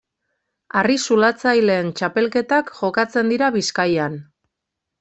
Harri-zulatzaileen txapelketak jokatzen dira Bizkaian.